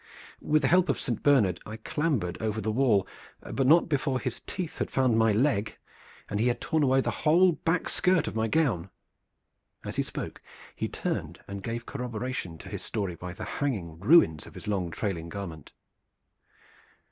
With the help of Saint Bernard I clambered over the wall, but not before his teeth had found my leg, and he had torn away the whole back skirt of my gown." As he spoke he turned and gave corroboration to his story by the hanging ruins of his long trailing garment.